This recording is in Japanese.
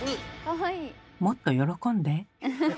もっと喜んで。